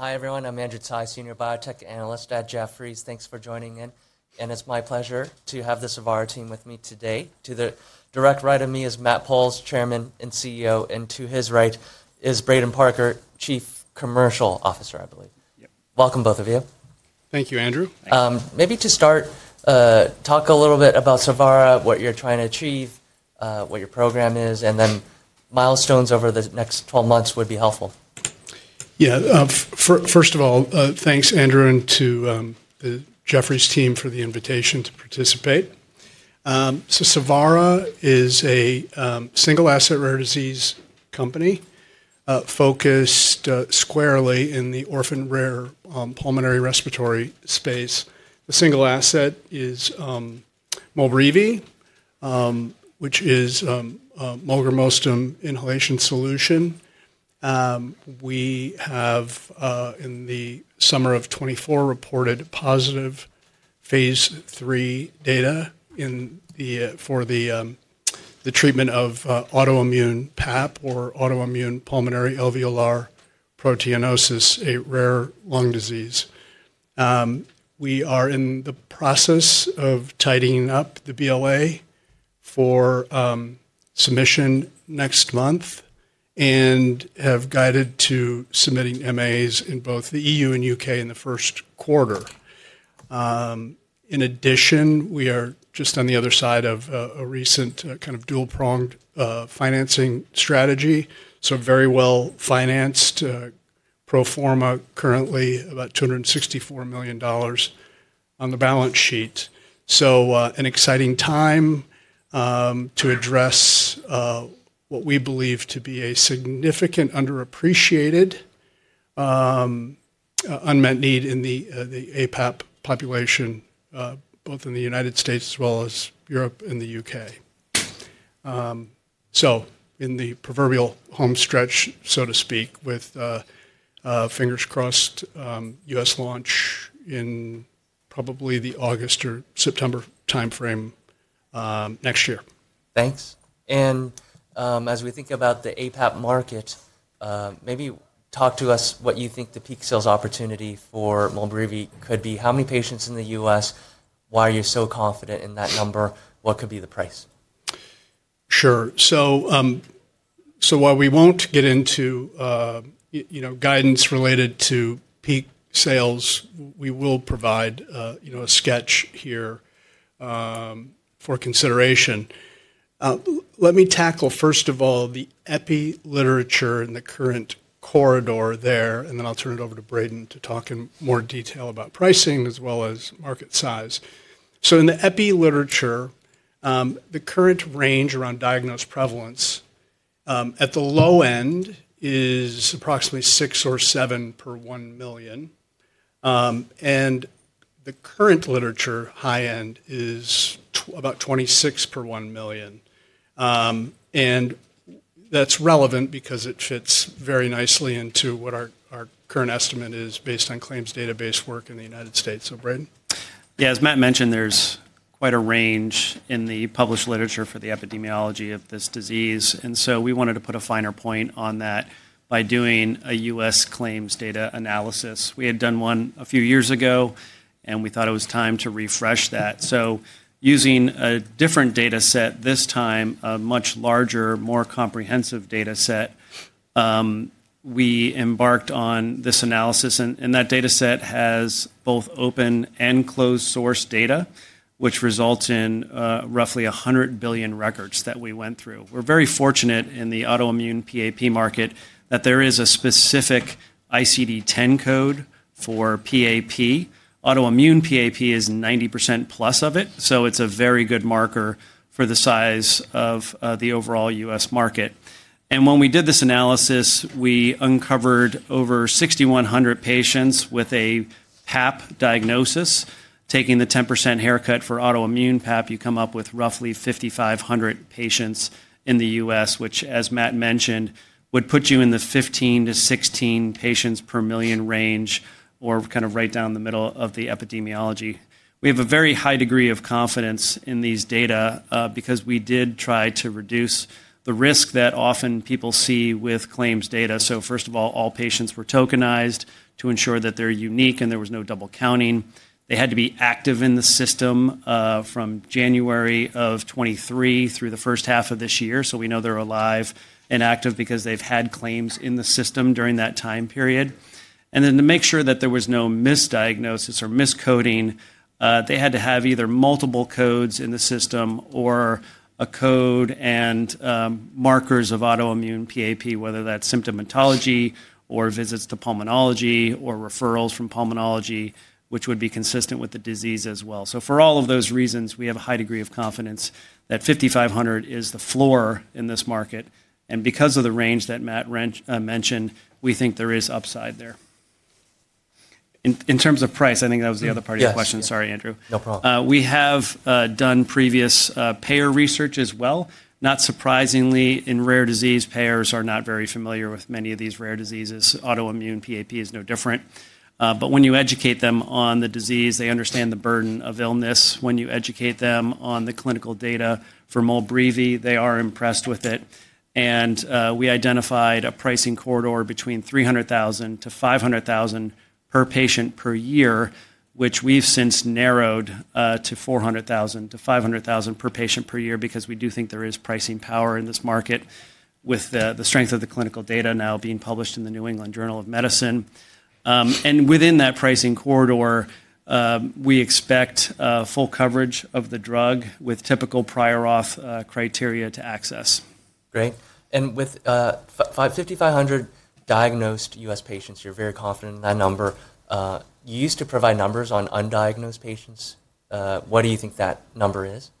Hi, everyone. I'm Andrew Tsai, Senior Biotech Analyst at Jefferies. Thanks for joining in. It's my pleasure to have the Savara team with me today. To the direct right of me is Matt Pauls, Chairman and CEO. To his right is Braden Parker, Chief Commercial Officer, I believe. Welcome, both of you. Thank you, Andrew. Maybe to start, talk a little bit about Savara, what you're trying to achieve, what your program is, and then milestones over the next 12 months would be helpful. Yeah. First of all, thanks, Andrew, and to the Jefferies team for the invitation to participate. Savara is a single-asset rare disease company focused squarely in the orphaned rare pulmonary respiratory space. The single asset is Molrivi, which is molgramostim inhalation solution. We have, in the summer of 2024, reported positive phase three data for the treatment of autoimmune PAP or autoimmune pulmonary alveolar proteinosis, a rare lung disease. We are in the process of tidying up the BLA for submission next month and have guided to submitting MAAs in both the E.U. and U.K. in the first quarter. In addition, we are just on the other side of a recent kind of dual-pronged financing strategy, so very well financed, pro forma currently about $264 million on the balance sheet. An exciting time to address what we believe to be a significant underappreciated unmet need in the aPAP population, both in the United States as well as Europe and the U.K. In the proverbial homestretch, so to speak, with fingers crossed, U.S. launch in probably the August or September timeframe next year. Thanks. As we think about the aPAP market, maybe talk to us what you think the peak sales opportunity for Molgramostim inhalation solution could be. How many patients in the U.S.? Why are you so confident in that number? What could be the price? Sure. While we won't get into guidance related to peak sales, we will provide a sketch here for consideration. Let me tackle, first of all, the EPI literature and the current corridor there, and then I'll turn it over to Braden to talk in more detail about pricing as well as market size. In the EPI literature, the current range around diagnosed prevalence at the low end is approximately six or seven per one million. The current literature high end is about 26 per one million. That's relevant because it fits very nicely into what our current estimate is based on claims database work in the United States. Braden. Yeah, as Matt mentioned, there's quite a range in the published literature for the epidemiology of this disease. We wanted to put a finer point on that by doing a US claims data analysis. We had done one a few years ago, and we thought it was time to refresh that. Using a different data set this time, a much larger, more comprehensive data set, we embarked on this analysis. That data set has both open and closed source data, which results in roughly 100 billion records that we went through. We're very fortunate in the autoimmune PAP market that there is a specific ICD-10 code for PAP. Autoimmune PAP is 90% plus of it. It's a very good marker for the size of the overall US market. When we did this analysis, we uncovered over 6,100 patients with a PAP diagnosis. Taking the 10% haircut for autoimmune PAP, you come up with roughly 5,500 patients in the U.S., which, as Matt mentioned, would put you in the 15-16 patients per million range or kind of right down the middle of the epidemiology. We have a very high degree of confidence in these data because we did try to reduce the risk that often people see with claims data. First of all, all patients were tokenized to ensure that they're unique and there was no double counting. They had to be active in the system from January of 2023 through the first half of this year. We know they're alive and active because they've had claims in the system during that time period. To make sure that there was no misdiagnosis or miscoding, they had to have either multiple codes in the system or a code and markers of autoimmune PAP, whether that's symptomatology or visits to pulmonology or referrals from pulmonology, which would be consistent with the disease as well. For all of those reasons, we have a high degree of confidence that 5,500 is the floor in this market. Because of the range that Matt mentioned, we think there is upside there. In terms of price, I think that was the other part of your question. Sorry, Andrew. No problem. We have done previous payer research as well. Not surprisingly, in rare disease, payers are not very familiar with many of these rare diseases. Autoimmune PAP is no different. When you educate them on the disease, they understand the burden of illness. When you educate them on the clinical data for Molrivi, they are impressed with it. We identified a pricing corridor between $300,000-$500,000 per patient per year, which we have since narrowed to $400,000-$500,000 per patient per year because we do think there is pricing power in this market with the strength of the clinical data now being published in the New England Journal of Medicine. Within that pricing corridor, we expect full coverage of the drug with typical prior auth criteria to access. Great. With 5,500 diagnosed US patients, you're very confident in that number. You used to provide numbers on undiagnosed patients. What do you think that number is?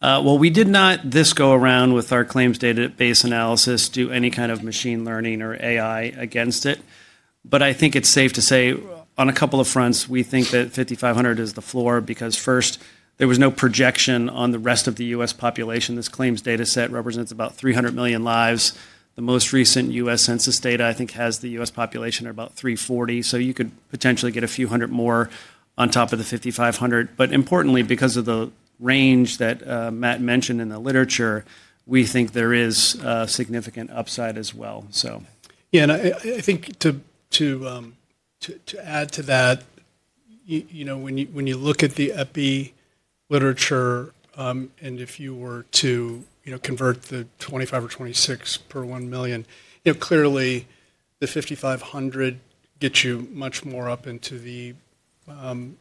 We did not this go around with our claims database analysis do any kind of machine learning or AI against it. I think it's safe to say on a couple of fronts, we think that 5,500 is the floor because, first, there was no projection on the rest of the U.S. population. This claims data set represents about 300 million lives. The most recent U.S. census data, I think, has the U.S. population at about 340 million. You could potentially get a few hundred more on top of the 5,500. Importantly, because of the range that Matt mentioned in the literature, we think there is significant upside as well. Yeah. I think to add to that, you know, when you look at the EPI literature and if you were to convert the 25 or 26 per one million, you know, clearly the 5,500 gets you much more up into the 9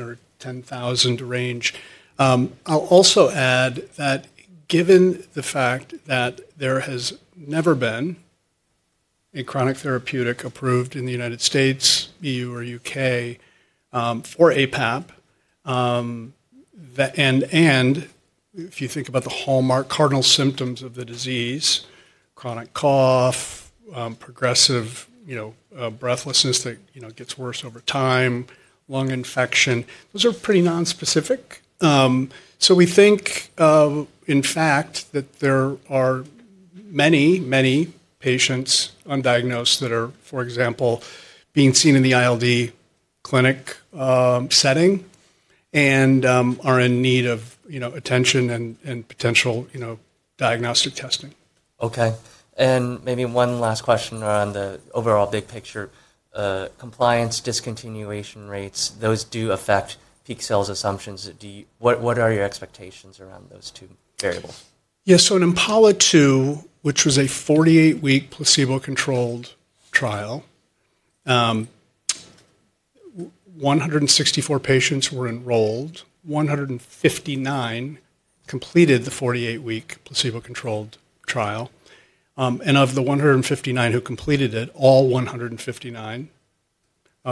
or 10,000 range. I'll also add that given the fact that there has never been a chronic therapeutic approved in the United States, E.U., or U.K. for aPAP, and if you think about the hallmark cardinal symptoms of the disease, chronic cough, progressive breathlessness that gets worse over time, lung infection, those are pretty nonspecific. We think, in fact, that there are many, many patients undiagnosed that are, for example, being seen in the ILD clinic setting and are in need of attention and potential diagnostic testing. Okay. Maybe one last question around the overall big picture. Compliance discontinuation rates, those do affect peak sales assumptions. What are your expectations around those two variables? Yeah. In IMPALA-2, which was a 48-week placebo-controlled trial, 164 patients were enrolled. 159 completed the 48-week placebo-controlled trial. Of the 159 who completed it, all 159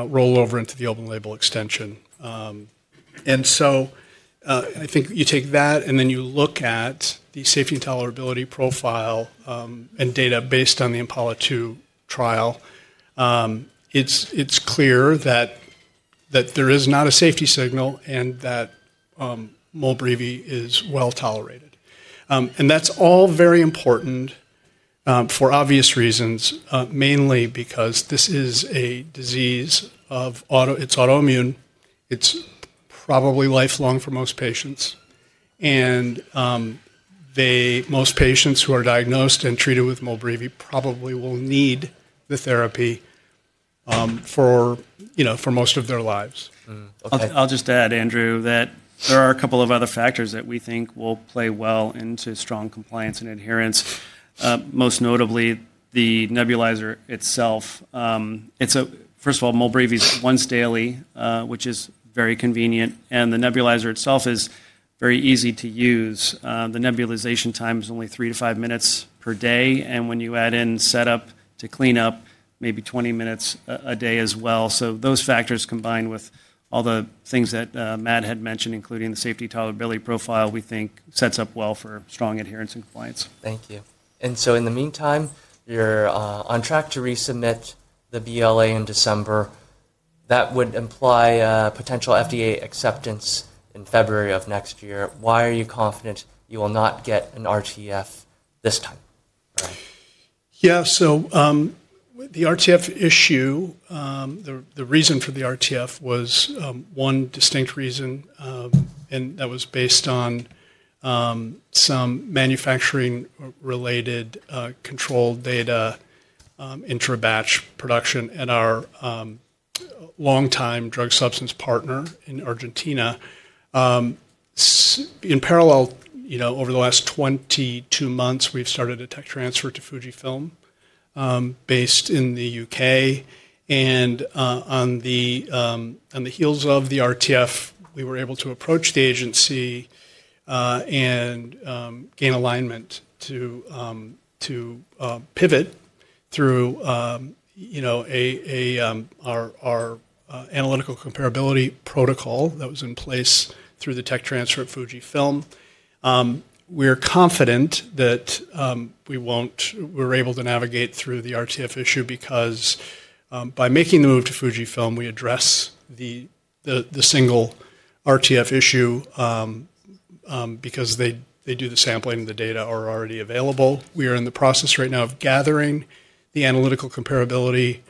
roll over into the open label extension. I think you take that and then you look at the safety and tolerability profile and data based on the IMPALA-2 trial. It's clear that there is not a safety signal and that Molrivi is well tolerated. That's all very important for obvious reasons, mainly because this is a disease of auto, it's autoimmune. It's probably lifelong for most patients. Most patients who are diagnosed and treated with Molrivi probably will need the therapy for most of their lives. I'll just add, Andrew, that there are a couple of other factors that we think will play well into strong compliance and adherence. Most notably, the nebulizer itself. First of all, Molrivi is once daily, which is very convenient. The nebulizer itself is very easy to use. The nebulization time is only three to five minutes per day. When you add in setup to clean up, maybe 20 minutes a day as well. Those factors combined with all the things that Matt had mentioned, including the safety tolerability profile, we think sets up well for strong adherence and compliance. Thank you. In the meantime, you're on track to resubmit the BLA in December. That would imply potential FDA acceptance in February of next year. Why are you confident you will not get an RTF this time? Yeah. The RTF issue, the reason for the RTF was one distinct reason, and that was based on some manufacturing-related control data intra-batch production at our longtime drug substance partner in Argentina. In parallel, over the last 22 months, we've started a tech transfer to Fujifilm based in the U.K. On the heels of the RTF, we were able to approach the agency and gain alignment to pivot through our analytical comparability protocol that was in place through the tech transfer at Fujifilm. We're confident that we were able to navigate through the RTF issue because by making the move to Fujifilm, we address the single RTF issue because they do the sampling and the data are already available. We are in the process right now of gathering the analytical comparability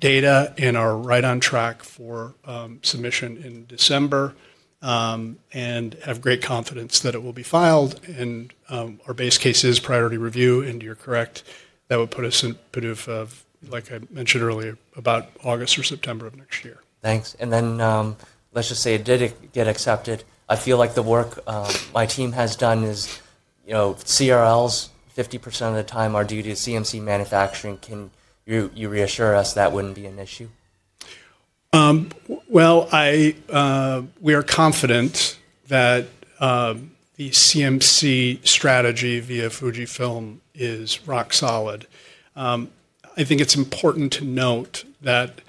data and are right on track for submission in December and have great confidence that it will be filed and our base case is priority review. You are correct. That would put us in the pursuit, like I mentioned earlier, about August or September of next year. Thanks. Let's just say it did get accepted. I feel like the work my team has done is CRLs 50% of the time are due to CMC manufacturing. Can you reassure us that would not be an issue? We are confident that the CMC strategy via Fujifilm is rock solid. I think it's important to note that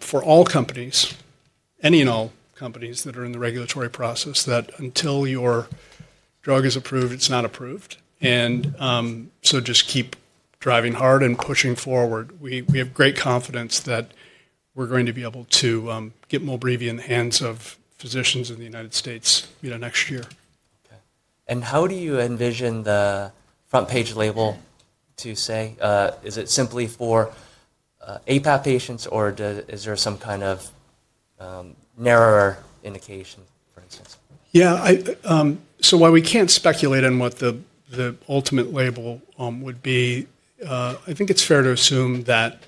for all companies, any and all companies that are in the regulatory process, that until your drug is approved, it's not approved. Just keep driving hard and pushing forward. We have great confidence that we're going to be able to get Molrivi in the hands of physicians in the United States next year. Okay. How do you envision the front page label to say, is it simply for aPAP patients or is there some kind of narrower indication, for instance? Yeah. While we can't speculate on what the ultimate label would be, I think it's fair to assume that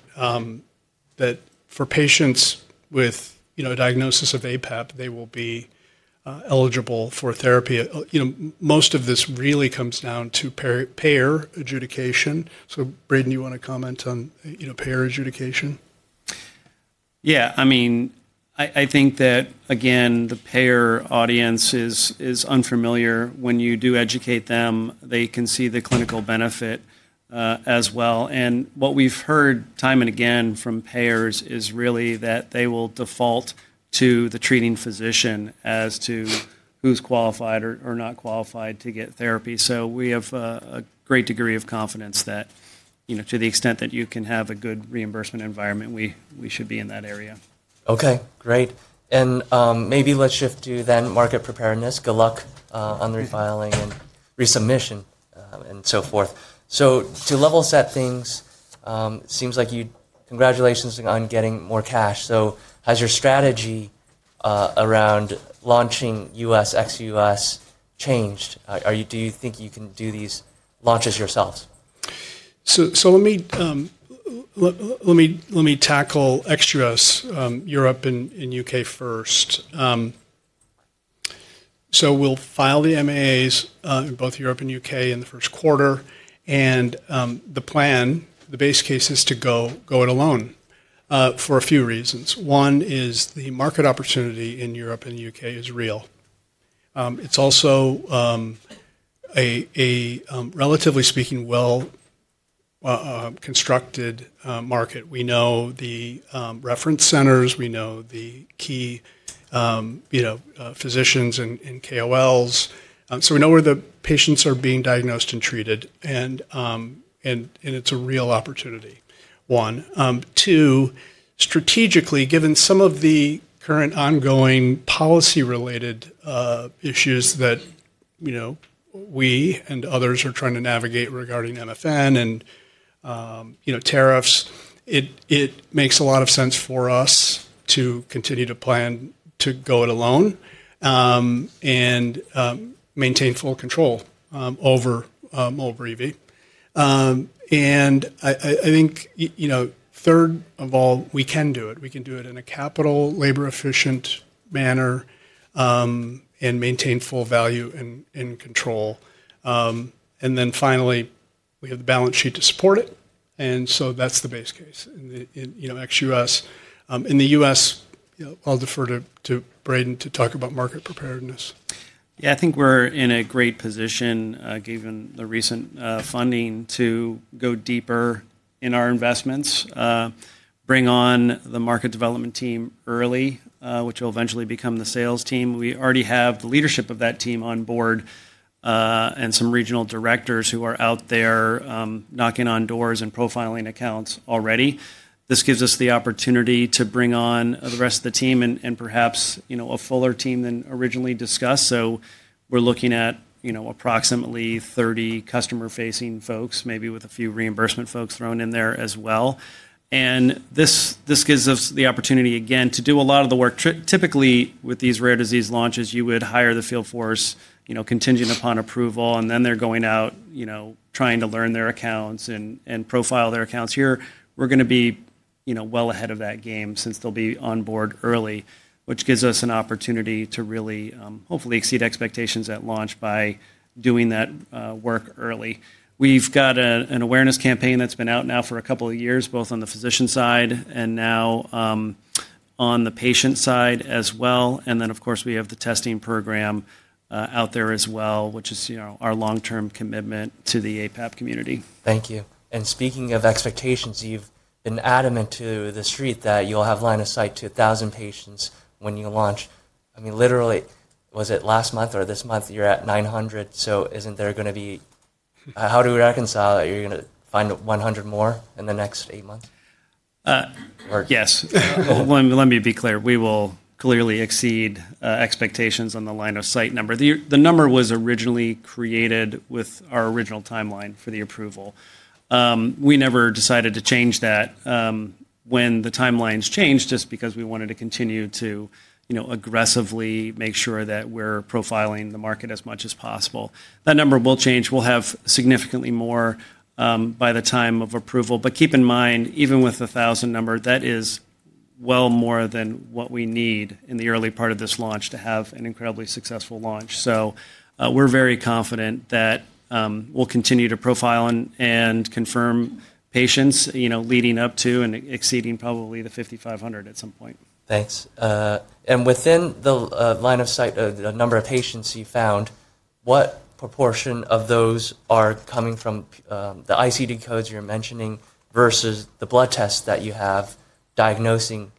for patients with a diagnosis of aPAP, they will be eligible for therapy. Most of this really comes down to payer adjudication. Braden, you want to comment on payer adjudication? Yeah. I mean, I think that, again, the payer audience is unfamiliar. When you do educate them, they can see the clinical benefit as well. What we've heard time and again from payers is really that they will default to the treating physician as to who's qualified or not qualified to get therapy. We have a great degree of confidence that to the extent that you can have a good reimbursement environment, we should be in that area. Okay. Great. Maybe let's shift to market preparedness. Good luck on the re-filing and resubmission and so forth. To level set things, it seems like you, congratulations on getting more cash. Has your strategy around launching US, ex-US changed? Do you think you can do these launches yourselves? Let me tackle ex-U.S., Europe and U.K. first. We'll file the MAAs in both Europe and U.K. in the first quarter. The plan, the base case, is to go it alone for a few reasons. One is the market opportunity in Europe and U.K. is real. It's also a, relatively speaking, well-constructed market. We know the reference centers. We know the key physicians and KOLs. We know where the patients are being diagnosed and treated. It's a real opportunity, one. Two, strategically, given some of the current ongoing policy-related issues that we and others are trying to navigate regarding MFN and tariffs, it makes a lot of sense for us to continue to plan to go it alone and maintain full control over Molrivi. I think third of all, we can do it. We can do it in a capital labor-efficient manner and maintain full value and control. Finally, we have the balance sheet to support it. That is the base case in ex-U.S. In the U.S., I'll defer to Braden to talk about market preparedness. Yeah. I think we're in a great position, given the recent funding, to go deeper in our investments, bring on the market development team early, which will eventually become the sales team. We already have the leadership of that team on board and some regional directors who are out there knocking on doors and profiling accounts already. This gives us the opportunity to bring on the rest of the team and perhaps a fuller team than originally discussed. We're looking at approximately 30 customer-facing folks, maybe with a few reimbursement folks thrown in there as well. This gives us the opportunity again to do a lot of the work. Typically, with these rare disease launches, you would hire the field force contingent upon approval, and then they're going out trying to learn their accounts and profile their accounts. Here, we're going to be well ahead of that game since they'll be on board early, which gives us an opportunity to really hopefully exceed expectations at launch by doing that work early. We've got an awareness campaign that's been out now for a couple of years, both on the physician side and now on the patient side as well. Of course, we have the testing program out there as well, which is our long-term commitment to the aPAP community. Thank you. Speaking of expectations, you've been adamant to the street that you'll have line of sight to 1,000 patients when you launch. I mean, literally, was it last month or this month you're at 900? Isn't there going to be—how do we reconcile that you're going to find 100 more in the next eight months? Yes. Let me be clear. We will clearly exceed expectations on the line of sight number. The number was originally created with our original timeline for the approval. We never decided to change that. When the timelines changed, just because we wanted to continue to aggressively make sure that we're profiling the market as much as possible. That number will change. We'll have significantly more by the time of approval. Keep in mind, even with the 1,000 number, that is well more than what we need in the early part of this launch to have an incredibly successful launch. We are very confident that we'll continue to profile and confirm patients leading up to and exceeding probably the 5,500 at some point. Thanks. Within the line of sight, the number of patients you found, what proportion of those are coming from the ICD-10 codes you are mentioning versus the blood tests that you have diagnosing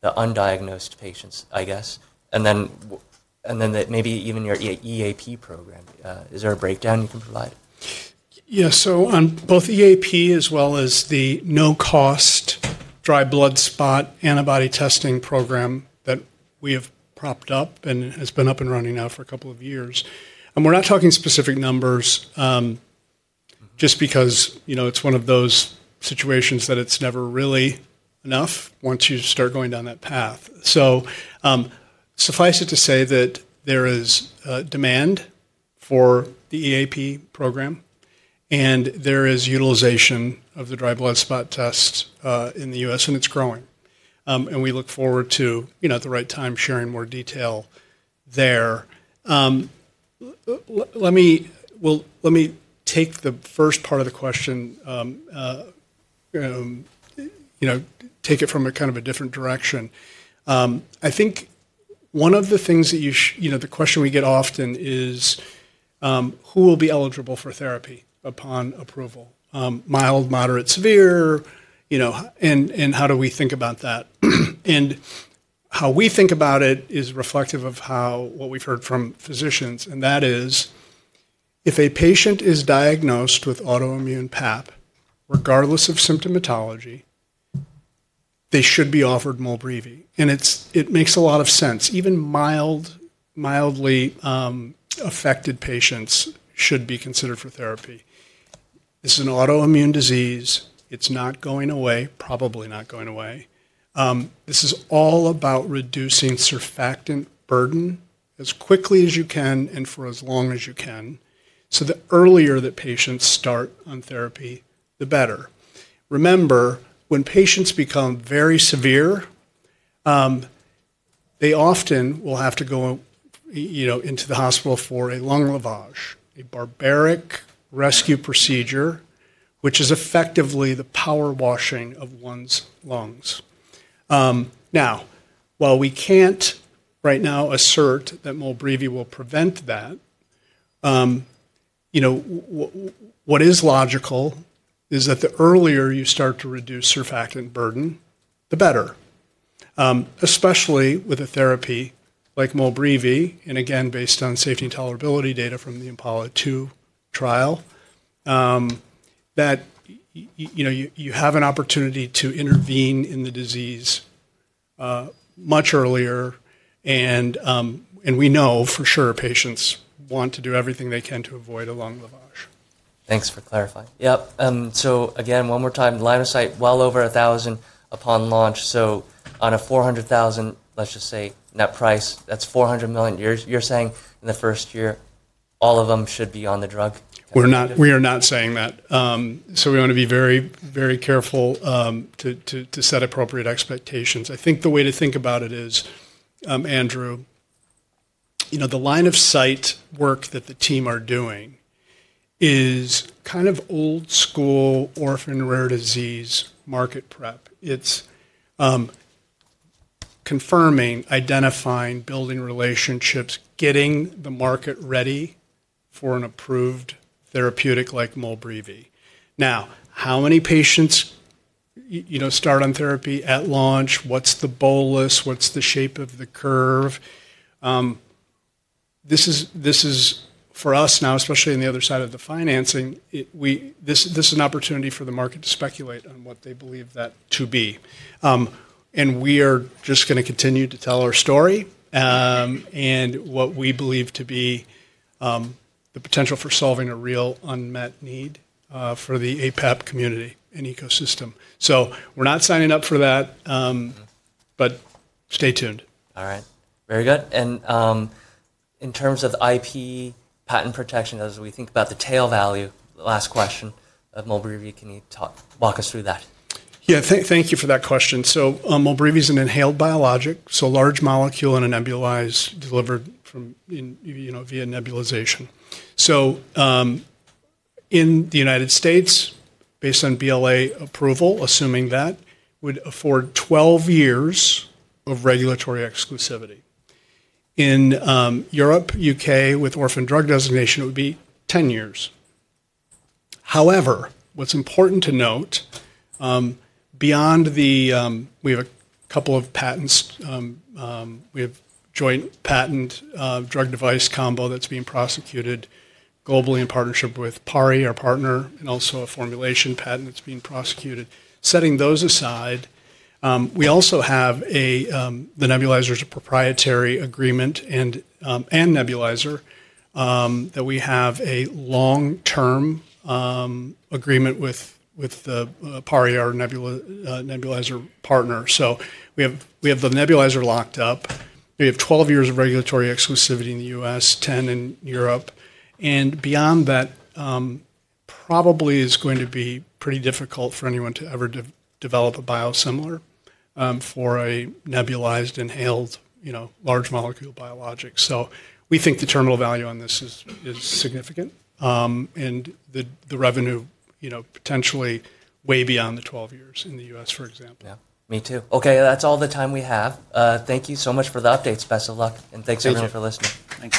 the undiagnosed patients, I guess? Maybe even your EAP program. Is there a breakdown you can provide? Yeah. On both EAP as well as the no-cost dry blood spot antibody testing program that we have propped up and has been up and running now for a couple of years. We're not talking specific numbers just because it's one of those situations that it's never really enough once you start going down that path. Suffice it to say that there is demand for the EAP program, and there is utilization of the dry blood spot tests in the US, and it's growing. We look forward to, at the right time, sharing more detail there. Let me take the first part of the question, take it from kind of a different direction. I think one of the things that you, the question we get often is who will be eligible for therapy upon approval, mild, moderate, severe, and how do we think about that? How we think about it is reflective of what we've heard from physicians. That is, if a patient is diagnosed with autoimmune PAP, regardless of symptomatology, they should be offered Molrivi. It makes a lot of sense. Even mildly affected patients should be considered for therapy. This is an autoimmune disease. It's not going away, probably not going away. This is all about reducing surfactant burden as quickly as you can and for as long as you can. The earlier that patients start on therapy, the better. Remember, when patients become very severe, they often will have to go into the hospital for a lung lavage, a barbaric rescue procedure, which is effectively the power washing of one's lungs. Now, while we can't right now assert that Molrivi will prevent that, what is logical is that the earlier you start to reduce surfactant burden, the better, especially with a therapy like Molrivi, and again, based on safety and tolerability data from the IMPALA-2 trial, that you have an opportunity to intervene in the disease much earlier. We know for sure patients want to do everything they can to avoid a lung lavage. Thanks for clarifying. Yep. Again, one more time, line of sight well over 1,000 upon launch. On a $400,000, let's just say net price, that's $400 million. You're saying in the first year, all of them should be on the drug? We are not saying that. We want to be very, very careful to set appropriate expectations. I think the way to think about it is, Andrew, the line of sight work that the team are doing is kind of old-school orphan rare disease market prep. It's confirming, identifying, building relationships, getting the market ready for an approved therapeutic like Molrivi. Now, how many patients start on therapy at launch? What's the bolus? What's the shape of the curve? This is, for us now, especially on the other side of the financing, an opportunity for the market to speculate on what they believe that to be. We are just going to continue to tell our story and what we believe to be the potential for solving a real unmet need for the aPAP community and ecosystem. We are not signing up for that, but stay tuned. All right. Very good. In terms of IP patent protection, as we think about the tail value, last question, Molrivi, can you walk us through that? Yeah. Thank you for that question. Molrivi is an inhaled biologic, so large molecule in a nebulized delivered via nebulization. In the United States, based on BLA approval, assuming that, would afford 12 years of regulatory exclusivity. In Europe, U.K., with orphan drug designation, it would be 10 years. However, what's important to note, beyond that we have a couple of patents. We have a joint patent drug device combo that's being prosecuted globally in partnership with Pari, our partner, and also a formulation patent that's being prosecuted. Setting those aside, we also have the nebulizer's proprietary agreement and nebulizer that we have a long-term agreement with Pari, our nebulizer partner. We have the nebulizer locked up. We have 12 years of regulatory exclusivity in the U.S., 10 in Europe. Beyond that, probably is going to be pretty difficult for anyone to ever develop a biosimilar for a nebulized inhaled large molecule biologic. We think the terminal value on this is significant and the revenue potentially way beyond the 12 years in the U.S., for example. Yeah. Me too. Okay. That is all the time we have. Thank you so much for the updates. Best of luck. Thanks again for listening. Thank you.